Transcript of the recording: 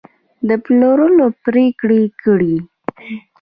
د پلورلو پرېکړه کړې